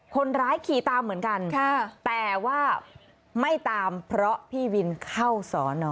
คนร้ายขี่ตามเหมือนกันแต่ว่าไม่ตามเพราะพี่วินเข้าสอนอ